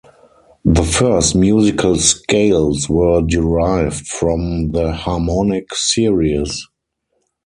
The first musical scales were derived from the harmonic series.